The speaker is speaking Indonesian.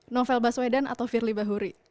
novel baswedan atau firly bahuri